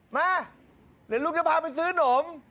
มาเดี๋ยวลูกจะพาไปซื้อนม